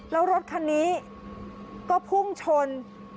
แล้วรถคันนี้ก็พุ่งชน